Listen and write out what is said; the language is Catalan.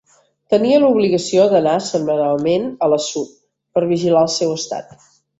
Tenia l’obligació d’anar setmanalment a l’assut per vigilar el seu estat.